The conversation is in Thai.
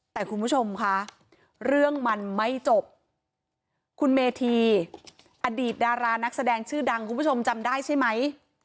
แต่คุณผู้ชมคะเรื่องมันไม่จบคุณเมธีอดีตดารานักแสดงชื่อดังคุณผู้ชมจำได้ใช่ไหม